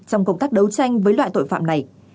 trong công tác đấu tranh với loại tội phạm này